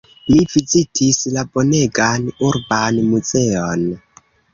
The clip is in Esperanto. Mi vizitis la bonegan urban muzeon.